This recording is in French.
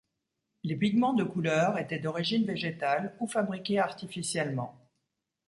Les pigments de couleur étaient d'origine végétale ou fabriqués artificiellement.